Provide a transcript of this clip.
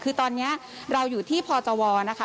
คือตอนนี้เราอยู่ที่พจวนะคะ